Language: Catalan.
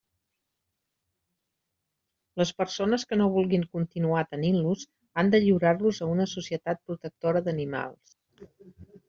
Les persones que no vulguin continuar tenint-los han de lliurar-los a una societat protectora d'animals.